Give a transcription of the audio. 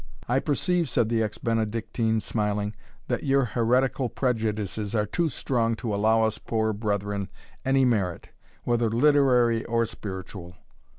"I perceive," said the ex Benedictine, smiling, "that your heretical prejudices are too strong to allow us poor brethren any merit, whether literary or spiritual."